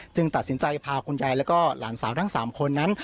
ตัดสินใจพาคุณยายแล้วก็หลานสาวทั้ง๓คนนั้น